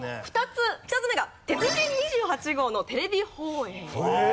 １つ目が『鉄人２８号』のテレビ放映。